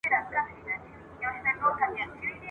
نن د ښار وګړي د مُلا د منتر نذر دي ..